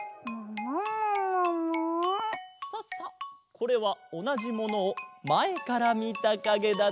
これはおなじものをまえからみたかげだぞ。